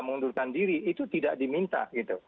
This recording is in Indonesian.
mengundurkan diri itu tidak diminta